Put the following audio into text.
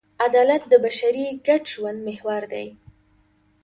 عدالت د بشري ګډ ژوند محور دی.